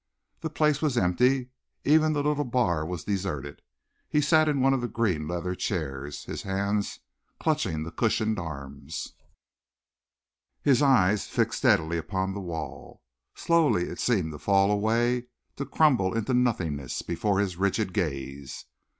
The place was empty. Even the little bar was deserted. He sat in one of the green leather chairs, his hands clutching the cushioned arms, his eyes fixed steadily upon the wall. Slowly it seemed to fall away to crumble into nothingness before his rigid gaze.